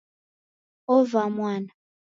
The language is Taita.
Ovaa mwana